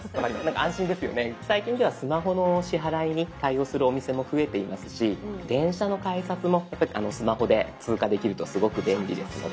最近ではスマホの支払いに対応するお店も増えていますし電車の改札もやっぱりスマホで通過できるとすごく便利ですので。